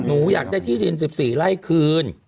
หนูอยากได้ที่ดิน๑๔ไร่คืน